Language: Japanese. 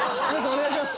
お願いします